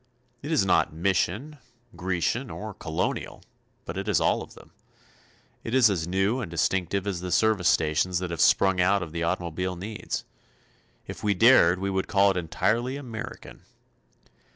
It is not Mission, Grecian or Colonial, but it is all of them. It is as new and distinctive as the service stations that have sprung out of the automobile needs. If we dared we would call it entirely American.